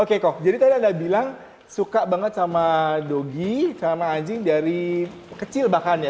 oke kok jadi tadi anda bilang suka banget sama dogi sama anjing dari kecil bahkan ya